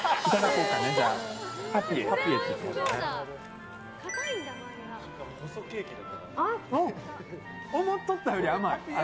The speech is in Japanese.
うん、思っとったよりも甘い。